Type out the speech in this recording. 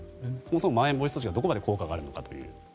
そもそもまん延防止措置がどこまで効果があるかという。